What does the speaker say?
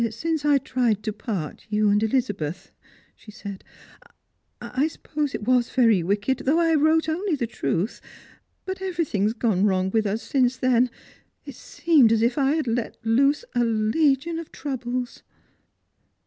" Since I tried to part you and Elizabeth," she said, " I suppose it was very wicked, though I wrote only the truth. But everything has gone wrong with us since then. It seemed as if I had let loose a legion of troubles."